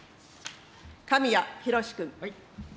神谷裕君。